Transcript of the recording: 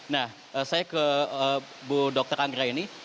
nah saya ke bu dr anggra ini